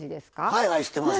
はいはい知ってます。